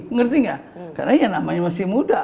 ngerti gak karena namanya masih muda